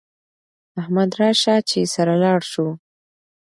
احمده راسه چې سره لاړ سو